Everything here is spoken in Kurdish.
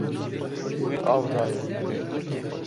Wî av daye.